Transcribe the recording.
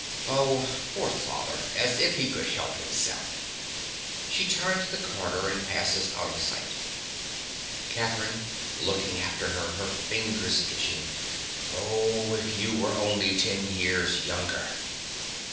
Oh, poor father! As if he could help himself! (She turns the corner and passes out of sight.) CATHERINE. (looking after her, her fingers itching). Oh, if you were only ten years younger!